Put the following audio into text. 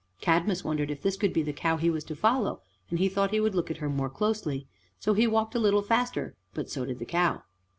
Cadmus wondered if this could be the cow he was to follow, and he thought he would look at her more closely, so he walked a little faster; but so did the cow.